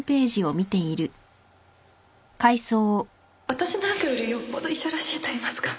私なんかよりよっぽど医者らしいといいますか